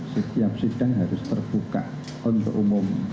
setiap sidang harus terbuka untuk umum